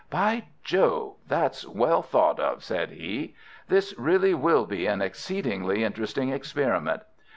"By Jove, that's well thought of," said he. "This really will be an exceedingly interesting experiment.